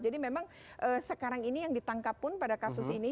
jadi memang sekarang ini yang ditangkap pun pada kasus ini